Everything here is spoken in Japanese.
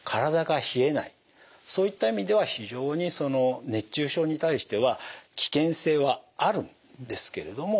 そういった意味では非常にその熱中症に対しては危険性はあるんですけれども。